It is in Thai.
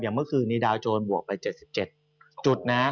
เมื่อคืนนี้ดาวโจรบวกไป๗๗จุดนะ